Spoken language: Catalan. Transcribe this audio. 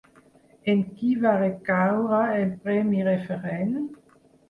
En qui va recaure el Premi Referent?